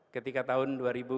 ketika tahun dua ribu dua